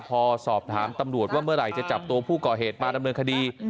พอสอบถามตำรวจว่าเมื่อไหร่จะจับตัวผู้ก่อเหตุมาดำเนินคดี